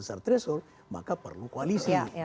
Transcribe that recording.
sir tresor maka perlu koalisi